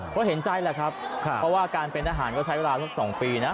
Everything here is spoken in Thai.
เพราะเห็นใจแหละครับค่ะเพราะว่าการเป็นอาหารก็ใช้เวลาทั้งสองปีนะ